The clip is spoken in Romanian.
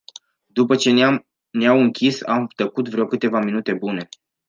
După ce ne-au închis, am tăcut vreo câteva minute bune